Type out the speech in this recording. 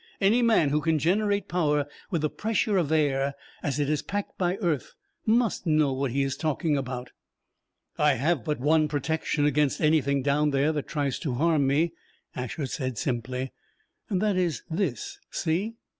Any man who can generate power with the pressure of air as it is packed by earth must know what he is talking about!" "I have but one protection against anything down there that tries to harm me," Asher said simply. "That is this see?"